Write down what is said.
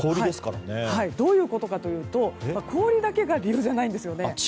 どういうことかというと氷だけが理由じゃないんです。